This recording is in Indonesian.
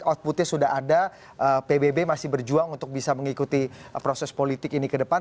outputnya sudah ada pbb masih berjuang untuk bisa mengikuti proses politik ini ke depan